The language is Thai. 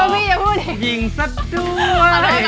ไม่ต่อยิงสากด้วย